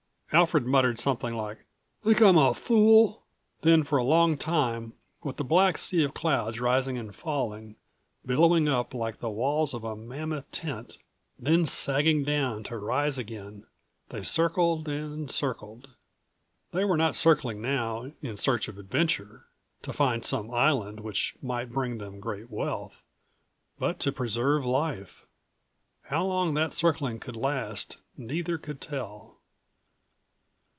Alfred muttered something like, "Think I'm a fool?" Then for a long time, with the black sea of clouds rising and falling, billowing up like the walls of a mammoth tent, then sagging down to rise again, they circled and circled. They196 were not circling now in search of adventure, to find some island which might bring them great wealth, but to preserve life. How long that circling could last, neither could tell.